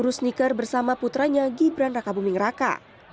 ru sneaker bersama putranya gibran raka buming raka